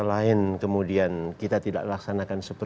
ya selain kemudian kita tidak bisa melakukan hal hal yang berbeda